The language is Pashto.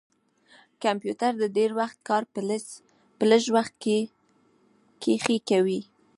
کمپیوټر د ډير وخت کار په لږ وخت کښې کوي